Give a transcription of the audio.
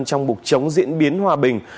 trong mục chống diễn biến hòa bình